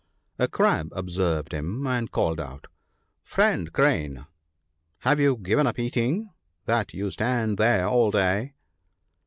A Crab observed him and called out, ' Friend Crane ! have you given up eating, that you stand there all day